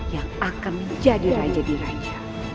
yang akan menjadi raja di raja